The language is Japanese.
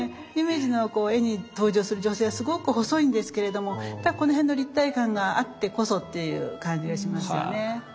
夢二の絵に登場する女性はすごく細いんですけれどもやっぱりこの辺の立体感があってこそという感じはしますよね。